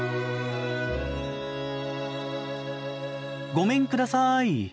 ごめんください。